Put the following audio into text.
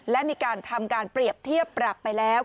และมีการทำการเปรียบเทียบปรับไปแล้ว